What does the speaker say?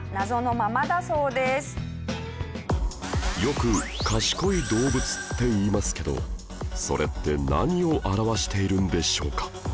よく「賢い動物」っていいますけどそれって何を表しているんでしょうか？